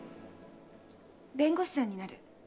弁護士さんになる。